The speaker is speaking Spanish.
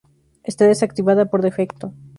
Está desactivada por defecto.